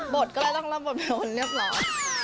บทก็เลยต้องเล่าบทเป็นคนเรียบร้อย